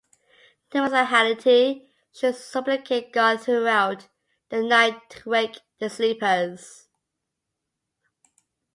A mesaharati should supplicate God throughout the night to wake the sleepers.